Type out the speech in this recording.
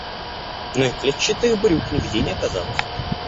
Но и клетчатых брюк нигде не оказалось.